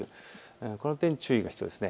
その点は注意が必要です。